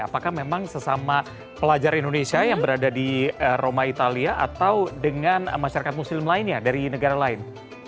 apakah memang sesama pelajar indonesia yang berada di roma italia atau dengan masyarakat muslim lainnya dari negara lain